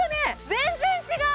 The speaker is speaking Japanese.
全然違う。